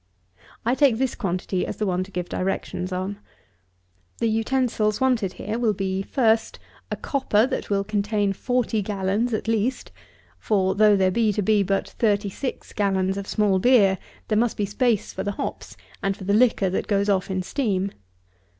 I take this quantity as the one to give directions on. The utensils wanted here will be, FIRST, a copper that will contain forty gallons, at least; for, though there be to be but thirty six gallons of small beer, there must be space for the hops, and for the liquor that goes off in steam.